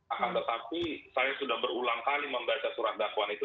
akan tetapi saya sudah berulang kali membaca surat dakwaan itu